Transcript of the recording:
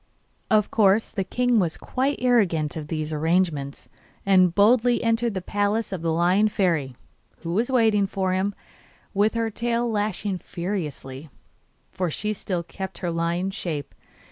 Of course the king was quite ignorant of these arrangements, and boldly entered the palace of the Lion Fairy, who was waiting for him, with her tail lashing furiously, for she still kept her lion's shape.